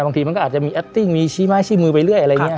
อ่ะบางทีมันก็อาจจะมีมีชี้ไม้ชี้มือไปเรื่อยอะไรเงี้ยครับ